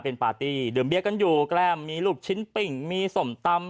เป็นปาร์ตี้ดื่มเบียกันอยู่แกล้มมีลูกชิ้นปิ้งมีส้มตำ